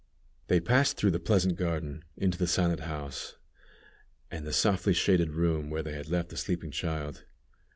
They passed through the pleasant garden into the silent house, and the softly shaded room where they had left the sleeping child.